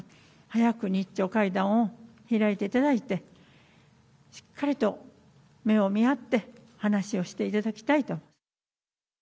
早く日朝会談を開いていただいて、しっかりと目を見合って話をしていただきたいと。